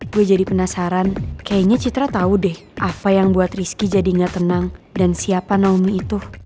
gue jadi penasaran kayaknya citra tahu deh apa yang buat rizky jadi gak tenang dan siapa naomi itu